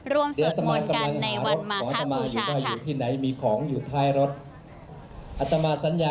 ร่วมสดมนตร์กันในวันมหาบูชาค่ะ